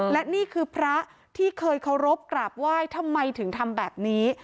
และนี่คือพระที่เคยเคารพกราบไหว้ทำไมถึงทำแบบนี้